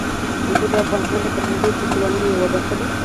انګور د افغانستان د فرهنګي فستیوالونو یوه برخه ده.